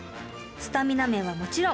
スタミナ面はもちろん